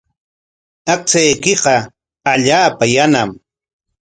Aqchaykiqa allaapa yanam.